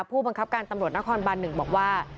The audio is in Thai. ผู้บังคับการตำรวจนครบัน๑บอกว่า